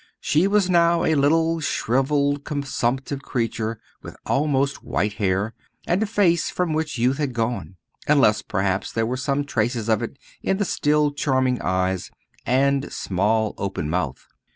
She was now a little shrivelled consumptive creature with almost white hair, and a face from which youth had gone, unless perhaps there were some traces of it in the still charming eyes, and small open mouth.